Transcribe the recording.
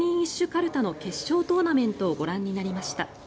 かるたの決勝トーナメントをご覧になりました。